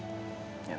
yaudah ini ya